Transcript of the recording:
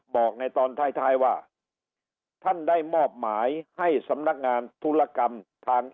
บอกในตอนท้ายท้ายว่าท่านได้มอบหมายให้สำนักงานธุรกรรมทาง